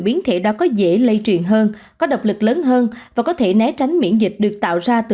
biến thể đó có dễ lây truyền hơn có độc lực lớn hơn và có thể né tránh miễn dịch được tạo ra từ